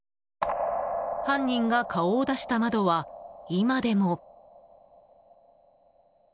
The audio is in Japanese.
犯人が顔を出した窓は今でも。